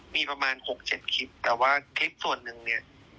มีประมาณ๖๗คลิปแต่ว่าคลิปส่วนหนึ่งเนี่ย